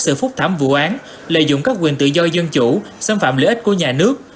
sự phúc thảm vụ án lợi dụng các quyền tự do dân chủ xâm phạm lợi ích của nhà nước